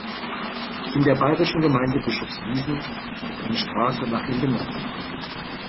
In der bayerischen Gemeinde Bischofswiesen ist eine Straße nach ihm benannt.